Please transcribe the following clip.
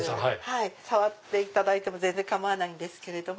触っていただいても全然構わないんですけれども。